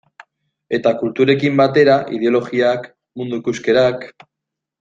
Eta kulturekin batera ideologiak, mundu ikuskerak...